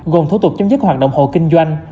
gồm thủ tục chấm dứt hoạt động hồ kinh doanh